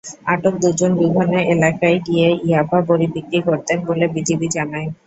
আটক দুজন বিভিন্ন এলাকায় গিয়ে ইয়াবা বড়ি বিক্রি করতেন বলে বিজিবি জানায়।